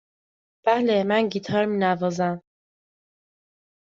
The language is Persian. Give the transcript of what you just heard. بله، من گیتار می نوازم.